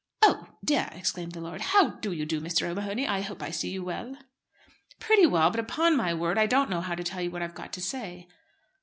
"Oh! dear," exclaimed the lord, "how do you do, Mr. O'Mahony? I hope I see you well." "Pretty well. But upon my word, I don't know how to tell you what I've got to say."